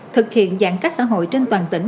thực hiện giãn cách xã hội trên toàn tỉnh